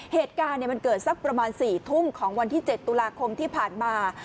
เหตุการณ์มันเกิดสักประมาณ๔ทุ่มของวันที่๗ตุลาคมที่ผ่านมา